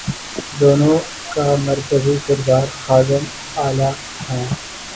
دونوں کے مرکزی کردار خادم اعلی ہیں۔